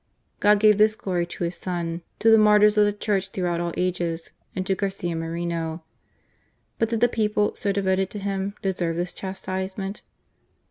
God gave this glory to His Son, to the martyrs of the Church throughout all ages, and to Garcia Moreno, But did the people, so devoted to him, deserve this chastisement